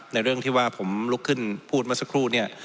เรื่องที่ว่าผมลุกขึ้นพูดเมื่อสักครู่เนี่ย